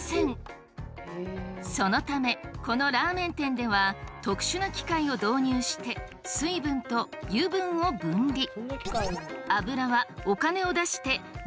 そのためこのラーメン店では特殊な機械を導入して水分と油分を分離。